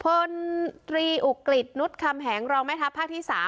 พลตรีอุกฤษนุษย์คำแหงรองแม่ทัพภาคที่๓